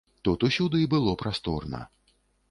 Тут усюды было прасторна.